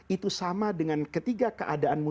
itu sama dengan ketiga keadaanmu